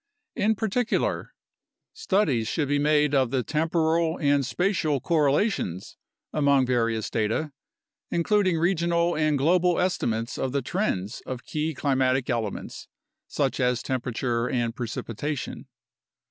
In particular: Studies should be made of the temporal and spatial correlations among various data, including regional and global estimates of the trends of key climatic elements such as temperature and precipitation.